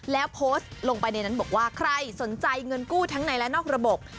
แล้วโพสต์ลงไปในนั้นบอกว่าใครสนใจเงินกู้ทั้งในและนอกระบบ